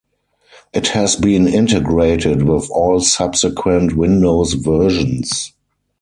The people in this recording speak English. It has been integrated with all subsequent Windows versions.